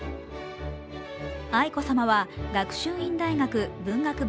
愛子さまは学習院大学文学部